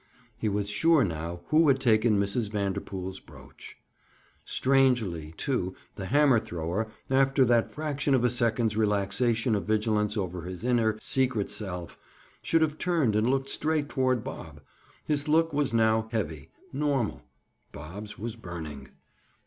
He was sure now who had taken Mrs. Vanderpool's brooch. Strangely, too, the hammer thrower, after that fraction of a second's relaxation of vigilance over his inner secret self, should have turned and looked straight toward Bob. His look was now heavy, normal. Bob's was burning.